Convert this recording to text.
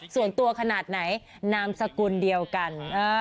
ส่วนตัวขนาดไหนนามสกุลเดียวกัน